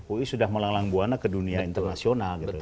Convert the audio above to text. ui sudah melalang buana ke dunia internasional